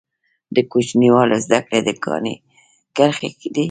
د کوچنیوالي زده کړي د کاڼي کرښي دي.